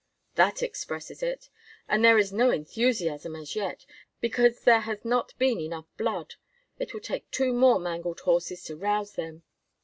"That expresses it. And there is no enthusiasm as yet, because there has not been enough blood. It will take two more mangled horses to rouse them.